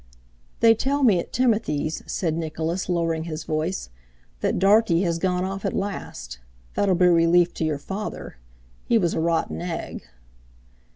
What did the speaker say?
"They tell me at Timothy's," said Nicholas, lowering his voice, "that Dartie has gone off at last. That'll be a relief to your father. He was a rotten egg."